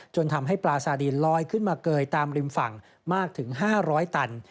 ทำให้ปลาซาดีนลอยขึ้นมาเกยตามริมฝั่งมากถึง๕๐๐ตัน